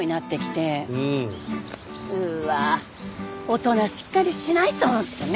うわあ大人しっかりしないとってね。